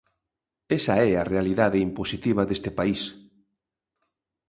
Esa é a realidade impositiva deste país.